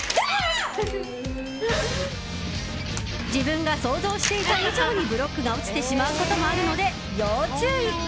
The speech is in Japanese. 自分が想像していた以上にブロックが落ちてしまうこともあるので要注意。